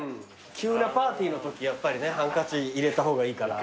急なパーティーのときやっぱりねハンカチ入れた方がいいから。